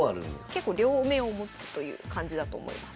結構両面を持つという感じだと思います。